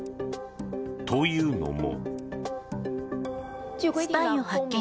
というのも。